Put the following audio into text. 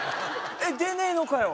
えっ出ねえのかよ？